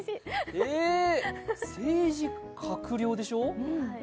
えー、政治、閣僚でしょ？